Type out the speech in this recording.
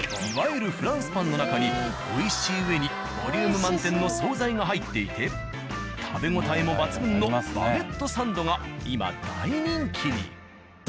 いわゆるフランスパンの中に美味しいうえにボリューム満点の惣菜が入っていて食べ応えも抜群のバゲットサンドが今大人気に。